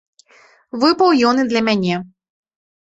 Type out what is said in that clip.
Выпаў ён і для мяне.